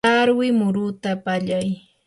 tarwi muruta pallay.